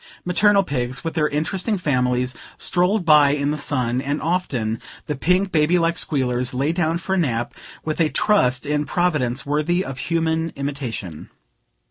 Maternal pigs, with their interesting families, strolled by in the sun; and often the pink, baby like squealers lay down for a nap, with a trust in Providence worthy of human imitation.